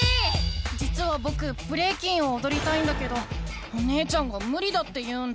じつはぼくブレイキンをおどりたいんだけどお姉ちゃんがむりだって言うんだ。